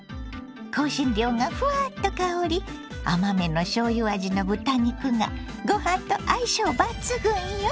香辛料がフワッと香り甘めのしょうゆ味の豚肉がご飯と相性抜群よ！